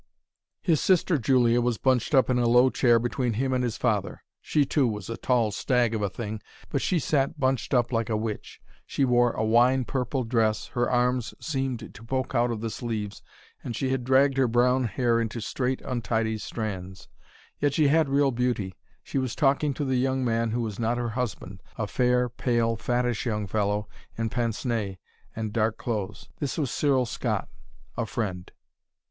His sister Julia was bunched up in a low chair between him and his father. She too was a tall stag of a thing, but she sat bunched up like a witch. She wore a wine purple dress, her arms seemed to poke out of the sleeves, and she had dragged her brown hair into straight, untidy strands. Yet she had real beauty. She was talking to the young man who was not her husband: a fair, pale, fattish young fellow in pince nez and dark clothes. This was Cyril Scott, a friend.